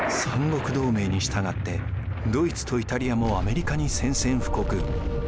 三国同盟にしたがってドイツとイタリアもアメリカに宣戦布告。